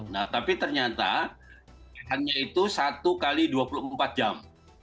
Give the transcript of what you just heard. nah tapi ternyata hanya itu satu x dua puluh empat jam